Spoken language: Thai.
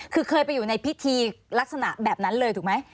คือเคยไปอยู่ในพิธีลักษณะแบบนั้นเลยถูกไหม